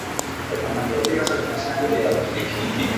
Weka maji ya kutosha kwenye sufuria ya kupikia